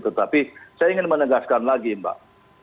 tetapi saya ingin menegaskan lagi mbak